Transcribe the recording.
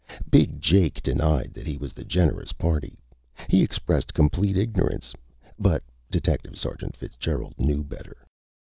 Big Jake denied that he was the generous party. He expressed complete ignorance. But Detective Sergeant Fitzgerald knew better.